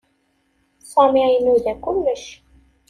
Sami inuda kullec.